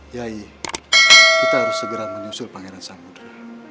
ya kita harus segera menyusul pengairan samudera